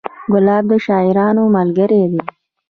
ګلاب د شاعرانو ملګری دی.